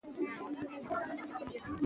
خاوره د افغانستان د انرژۍ سکتور برخه ده.